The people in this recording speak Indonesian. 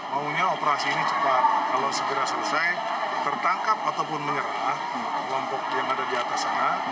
maunya operasi ini cepat kalau segera selesai tertangkap ataupun menyerah kelompok yang ada di atas sana